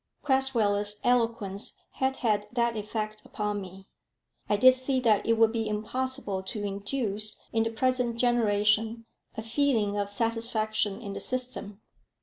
Crasweller's eloquence had had that effect upon me. I did see that it would be impossible to induce, in the present generation, a feeling of satisfaction in the system.